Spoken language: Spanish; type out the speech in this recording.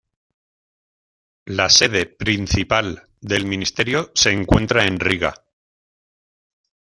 La sede principal del ministerio se encuentra en Riga.